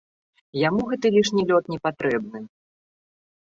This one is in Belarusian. Яму гэты лішні лёд непатрэбны.